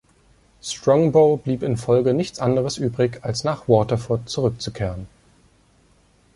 Strongbow blieb in Folge nichts anderes übrig, als nach Waterford zurückzukehren.